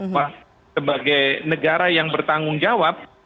bahwa sebagai negara yang bertanggung jawab